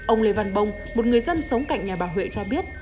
ông lê văn bông một người dân sống cạnh nhà bà huệ cho biết